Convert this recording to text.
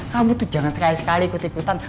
kamu tuh jangan sekali sekali ikut ikutan